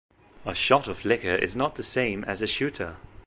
A "shot" of liquor is not the same as a "shooter".